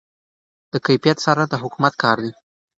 د کیفیت څارنه د حکومت کار دی.